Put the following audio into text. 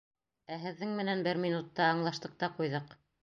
Ә һеҙҙең менән бер минутта аңлаштыҡ та ҡуйҙыҡ.